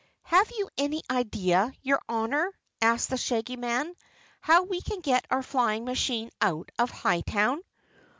"Have you any idea, your Honor," asked the Shaggy Man, "how we can get our flying machine out of Hightown?"